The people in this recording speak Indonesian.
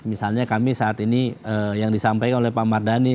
misalnya kami saat ini yang disampaikan oleh pak mardhani